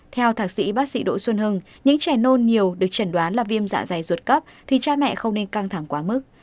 theo thạc sĩ bác sĩ đỗ xuân hưng những trẻ nôn nhiều được chẩn đoán là viêm dạ dày ruột cấp thì cha mẹ không nên căng thẳng quá mức